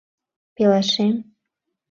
Пелашем...